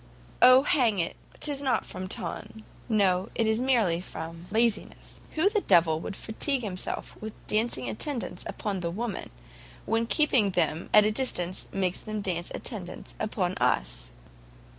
"Oh, hang it, 'tis not from ton; no, it's merely from laziness. Who the d l will fatigue himself with dancing attendance upon the women, when keeping them at a distance makes them dance attendance upon us?"